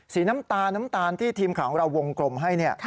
สีน้ำตาลที่ทีมของเราวงกลมให้